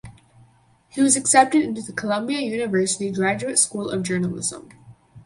He was accepted into the Columbia University Graduate School of Journalism.